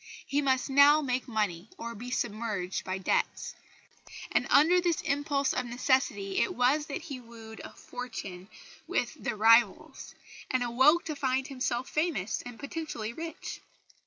He must now make money or be submerged by debts; and under this impulse of necessity it was that he wooed fortune with The Rivals, and awoke to find himself famous and potentially rich.